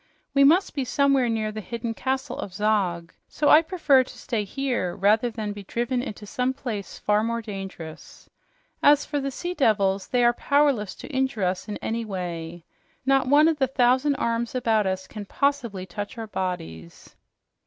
We must be somewhere near the hidden castle of Zog, so I prefer to stay here rather than be driven into some place far more dangerous. As for the sea devils, they are powerless to injure us in any way. Not one of those thousand arms about us can possibly touch our bodies."